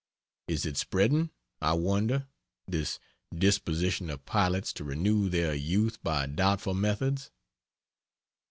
Is it spreading, I wonder this disposition of pilots to renew their youth by doubtful methods?